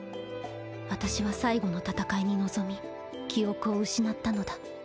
私は最後の戦いに臨み記憶を失ったのだ。